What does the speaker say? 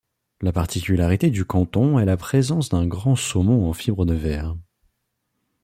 La particularité du canton est la présence d'un grand saumon en fibre de verre.